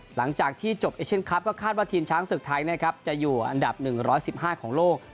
หลังจากที่จบเอเชียนคลับก็คาดว่าทีมช้างศึกไทยนะครับจะอยู่อันดับ๑๑๕ของโลก